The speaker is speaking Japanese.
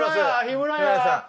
日村さん